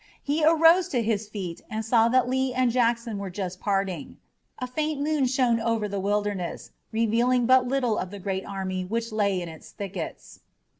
He arose to his feet and saw that Lee and Jackson were just parting. A faint moon shone over the Wilderness, revealing but little of the great army which lay in its thickets.